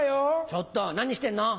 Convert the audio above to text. ちょっと何してんの。